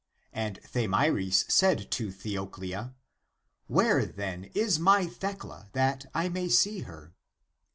And Tha myris said to Theoclia, " Where, then, is my Thecla <that I may see her>"